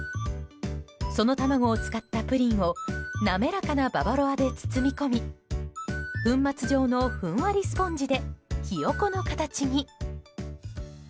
その卵を使ったプリンを滑らかなババロアで包み込み粉末状のふんわりスポンジでヒヨコの形に。